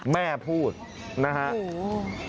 แม่พูดนะครับ